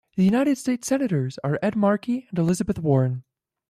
The United States Senators are Ed Markey and Elizabeth Warren.